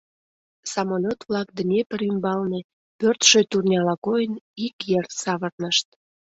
Самолёт-влак Днепр ӱмбалне, пӧрдшӧ турняла койын, ик йыр савырнышт.